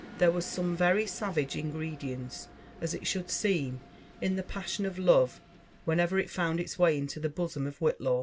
There was some very savage ingredient, m it should, seem, in the passion of love whenevw it found its way into the bosom< of Whitlaw.